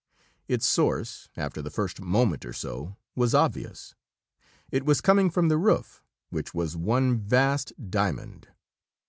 Its source, after the first moment or so, was obvious. It was coming from the roof, which was one vast diamond.